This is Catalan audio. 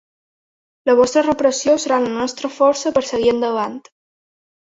La vostra repressió serà la nostra força per seguir endavant!